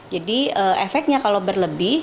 jadi efeknya kalau berlebihan